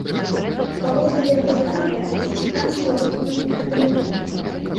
Паводле веравызнання мексіканцы ў асноўным каталікі.